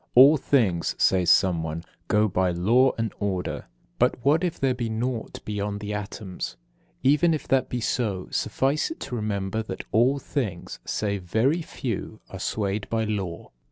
"All things," says someone, "go by law and order." But what if there be naught beyond the atoms? Even if that be so, suffice it to remember that all things, save very few, are swayed by law.